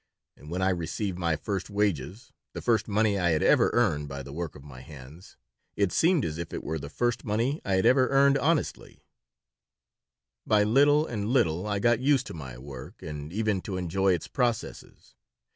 And when I received my first wages the first money I had ever earned by the work of my hands it seemed as if it were the first money I had ever earned honestly By little and little I got used to my work and even to enjoy its processes.